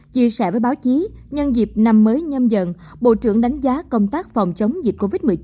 chia sẻ với báo chí nhân dịp năm mới nhâm dần bộ trưởng đánh giá công tác phòng chống dịch covid một mươi chín